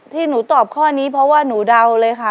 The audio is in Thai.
ที่หนูตอบข้อนี้เพราะว่าหนูเดาเลยค่ะ